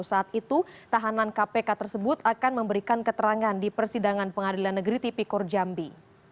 saat itu tahanan kpk tersebut akan memberikan keterangan di persidangan pengadilan negeri tipikor jambi